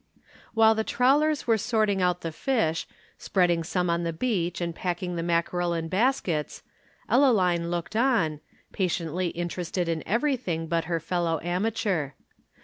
While the trawlers were sorting out the fish, spreading some on the beach and packing the mackerel in baskets, Ellaline looked on, patently interested in everything but her fellow amateur.